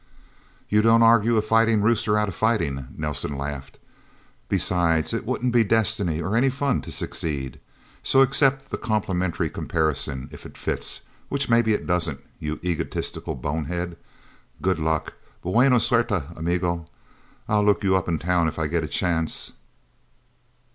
"You don't argue a fighting rooster out of fighting," Nelsen laughed. "Besides, it wouldn't be Destiny or any fun to succeed. So accept the complimentary comparison if it fits which maybe it doesn't, you egotistical bonehead. Good luck buena suerte, amigo. I'll look you up in Town, if I get a chance..."